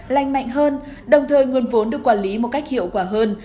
lành mạnh hơn đồng thời nguồn vốn được quản lý một cách hiệu quả hơn